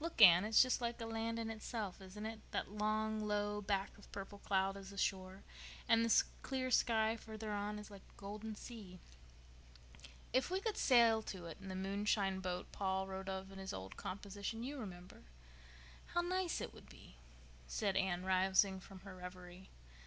"Look, Anne, it's just like a land in itself, isn't it? That long, low back of purple cloud is the shore, and the clear sky further on is like a golden sea." "If we could sail to it in the moonshine boat Paul wrote of in his old composition—you remember?—how nice it would be," said Anne, rousing from her reverie.